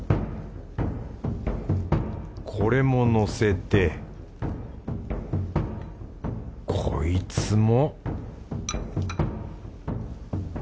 これものせてこいつも